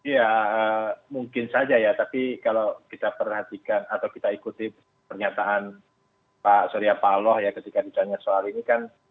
ya mungkin saja ya tapi kalau kita perhatikan atau kita ikuti pernyataan pak surya paloh ya ketika ditanya soal ini kan